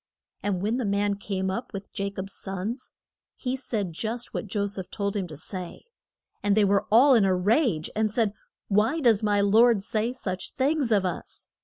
And when the man came up with Ja cob's sons, he said just what Jo seph told him to say. And they were all in a rage, and said: Why does my lord say such things of us?